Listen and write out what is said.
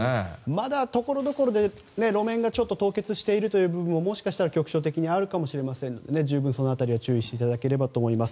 まだ、ところどころで路面が凍結している部分ももしかしたら局所的にあるかもしれませんので、その辺りは十分注意していただければと思います。